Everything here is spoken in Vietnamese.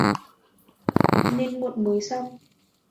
Nên muộn mới xong